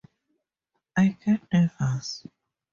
I get nervous.